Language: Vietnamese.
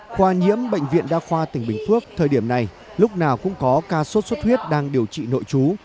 khoa nhiễm bệnh viện đa khoa tỉnh bình phước thời điểm này lúc nào cũng có ca sốt xuất huyết đang điều trị nội chú